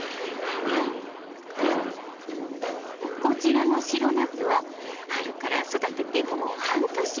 こちらの白ナスは春から育ててもう半年。